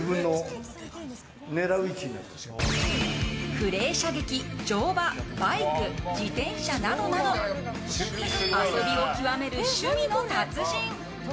クレー射撃、乗馬、バイク自転車などなど遊びを極める趣味の達人！